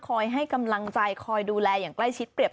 ให้กำลังใจคอยดูแลอย่างใกล้ชิดเปรียบ